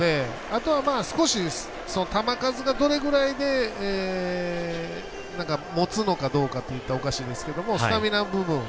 あとは、少し球数がどれぐらいで持つのかどうかといったらおかしいですけどスタミナの部分